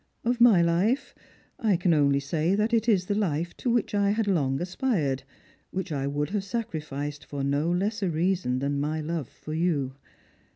Of my life I can only say that it is the life to which I had long aspired, which I would have sacrificed for no lesser reason than my love for you.